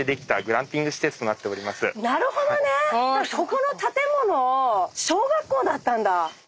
ここの建物小学校だったんだ。